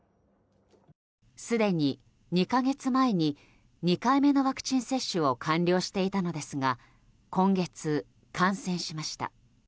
すでに２か月前に２回目のワクチン接種を完了していたのですが今月、感染しました。